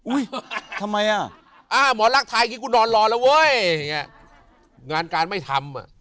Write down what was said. อุ้ยทำไมอ่ะอ้าหมอรักทายกิ๊กกูนอนรอแล้วเว้ยอย่างเงี้ยงานการไม่ทำอ่ะ